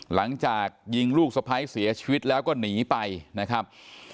หลังจากยิงลูกสะพ้ายเสียชีวิตแล้วก็หนีไปนะครับ